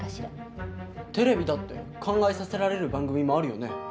テレビだって考えさせられる番組もあるよね。